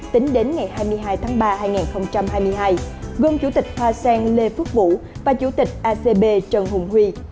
tính đến ngày hai mươi hai tháng ba hai nghìn hai mươi hai gồm chủ tịch hoa sen lê phước vũ và chủ tịch acb trần hùng huy